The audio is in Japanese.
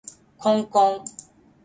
こんこん